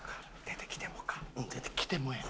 出てきてもや。